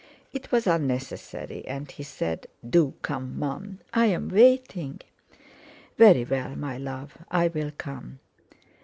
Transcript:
It was unnecessary, and he said: "Do come, Mum; I'm waiting." "Very well, my love, I'll come."